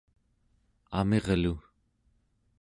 amirlu